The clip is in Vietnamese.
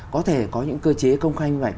có thể có những cơ chế công khai minh vạch